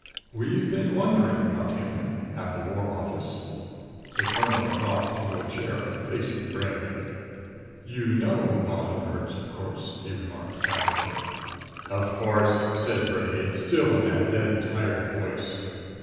We've been wondering about him at the War Office." The colonel dropped into a chair, facing Bray. "You know Von der Herts, of course?" he remarked casually. "Of course," said Bray, still in that dead tired voice.